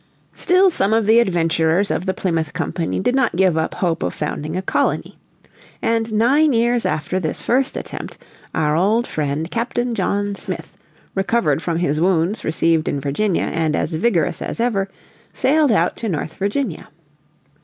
Still some of the adventurers of the Plymouth Company did not give up hope of founding a colony. And nine years after this first attempt, our old friend Captain John Smith, recovered from his wounds received in Virginia and as vigorous as ever, sailed out to North Virginia.